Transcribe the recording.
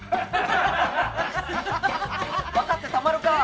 わかってたまるか！